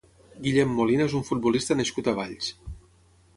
Guillem Molina és un futbolista nascut a Valls.